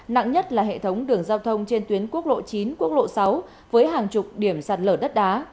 nặng nhất là hệ thống đường giao thông trên tuyến quốc lộ chín quốc lộ sáu với hàng chục điểm sạt lở đất đá